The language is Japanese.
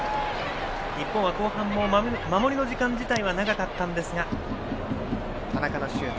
日本は後半も守りの時間自体は長かったんですが田中のシュート。